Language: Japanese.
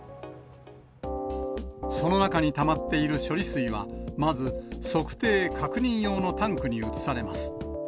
その中にたまっている処理水は、まず測定・確認用のタンクに移されます。